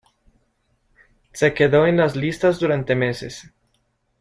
Se quedó en las listas durante meses.